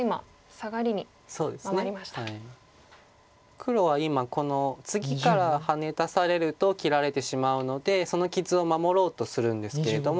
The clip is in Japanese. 黒は今このツギからハネ出されると切られてしまうのでその傷を守ろうとするんですけれども。